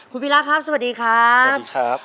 คุณภีราครับสวัสดีครับ